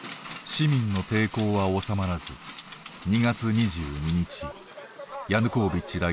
市民の抵抗は収まらず２月２２日ヤヌコービッチ大統領はロシアに逃亡。